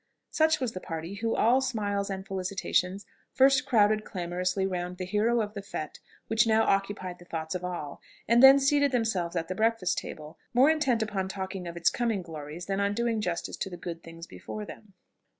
Such was the party who, all smiles and felicitations, first crowded clamorously round the hero of the fête which now occupied the thoughts of all, and then seated themselves at the breakfast table, more intent upon talking of its coming glories than on doing justice to the good things before them.